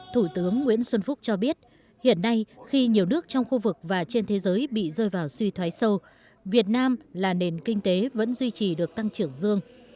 thủ tướng nguyễn xuân phúc cho biết hiện nay khi nhiều nước trong khu vực và trên thế giới bị rơi vào suy thoái sâu việt nam là nền kinh tế vẫn duy trì được tăng trưởng dương